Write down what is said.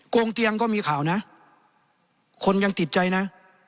งเตียงก็มีข่าวนะคนยังติดใจนะ